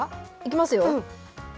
いきますよ。